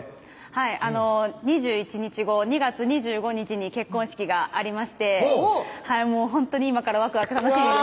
はい２１日後２月２５日に結婚式がありましてほんとに今からワクワク楽しみです